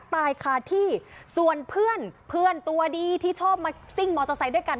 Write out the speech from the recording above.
ตายคาที่ส่วนเพื่อนเพื่อนตัวดีที่ชอบมาซิ่งมอเตอร์ไซค์ด้วยกัน